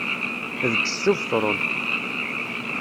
Bges s ubetṛun.